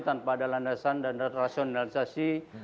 tanpa ada landasan dan rasionalisasi